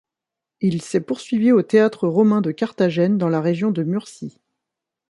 Il s'est poursuivi au Théâtre romain de Carthagène dans la région de Murcie.